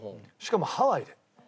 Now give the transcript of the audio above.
しかもハワイで。